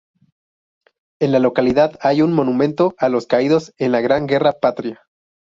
En la localidad hay un monumento a los caídos en la Gran Guerra Patria.